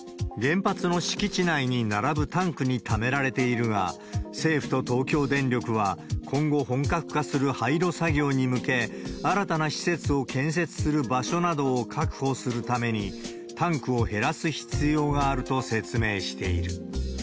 原発の敷地内に並ぶタンクにためられているが、政府と東京電力は、今後、本格化する廃炉作業に向け、新たな施設を建設する場所などを確保するために、タンクを減らす必要があると説明している。